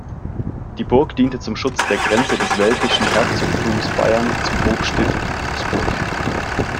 Die Burg diente zum Schutz der Grenze des welfischen Herzogtums Bayern zum Hochstift Augsburg.